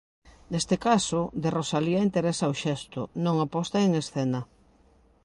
Neste caso, de Rosalía interesa o xesto, non a posta en escena.